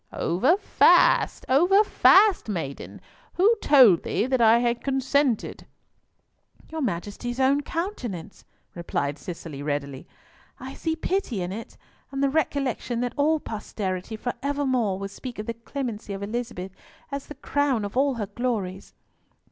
"Over fast, over fast, maiden. Who told thee that I had consented?" "Your Majesty's own countenance," replied Cicely readily. "I see pity in it, and the recollection that all posterity for evermore will speak of the clemency of Elizabeth as the crown of all her glories!"